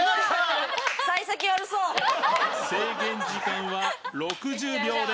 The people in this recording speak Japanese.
制限時間は６０秒です。